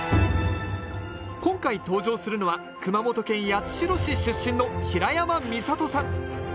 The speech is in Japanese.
今回登場するのは熊本県八代市出身の平山美里さん。